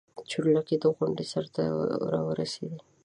چورلکې د غونډۍ سر ته راورسېدې.